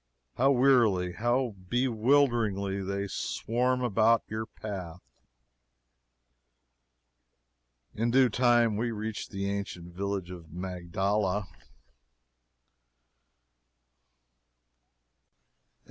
How wearily, how bewilderingly they swarm about your path! In due time we reached the ancient village of Magdala.